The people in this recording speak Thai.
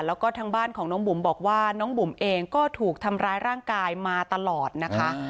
แล้วก็ทางบ้านของน้องบุ๋มบอกว่าน้องบุ๋มเองก็ถูกทำร้ายร่างกายมาตลอดนะคะ